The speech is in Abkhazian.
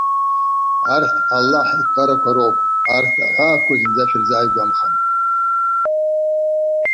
Арҭ, Аллаҳ иԥҟарақәа роуп, арҭ аҳәаақәа зынӡа шәырзааигәамхан.